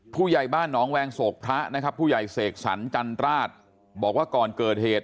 ผู้ใหญ่บ้านหนองแวงโศกพระนะครับผู้ใหญ่เสกสรรจันราชบอกว่าก่อนเกิดเหตุ